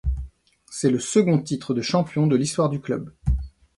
C'est le second titre de champion de l'histoire du club.